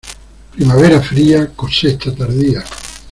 Primavera fría, cosecha tardía.